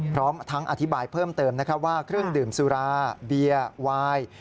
พร้อมทั้งอธิบายเพิ่มเติมนะครับว่าเครื่องดื่มสุราเบียร์วาย